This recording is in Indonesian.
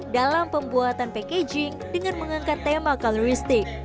dalam pembuatan packaging dengan mengangkat tema kaloristik